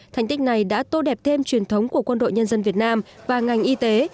thành tích này đã tô đẹp thêm truyền thống của quân đội nhân dân việt nam và ngành y tế